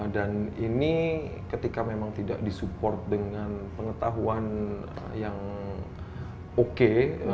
dan ini ketika memang tidak disupport dengan pengetahuan yang oke